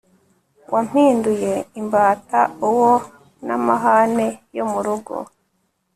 wampinduye imbata uwo n amahane yo mu rugo